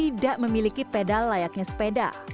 tidak memiliki pedal layaknya sepeda